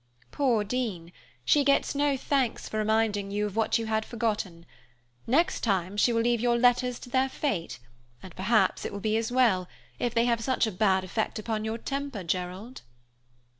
"Poor Dean, she gets no thanks for reminding you of what you had forgotten. Next time she will leave your letters to their fate, and perhaps it will be as well, if they have such a bad effect upon your temper, Gerald."